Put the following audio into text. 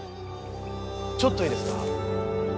ちょっといいですか？